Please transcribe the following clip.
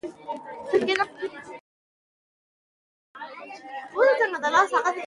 محصلین د با کیفیته علم حاصلولو ارمان لري.